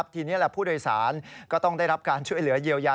ทีนี้ผู้โดยสารก็ต้องได้รับการช่วยเหลือเยียวยา